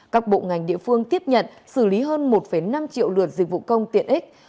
các bộ ngành địa phương tiếp nhận xử lý hơn một năm triệu lượt dịch vụ công tiện ích